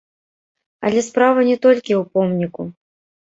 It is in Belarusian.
Але справа не толькі ў помніку.